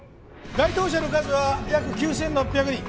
該当者の数は約９６００人。